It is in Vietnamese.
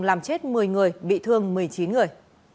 làm chết một mươi người bị thương một mươi chín người